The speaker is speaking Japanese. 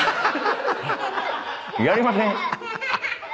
やりません。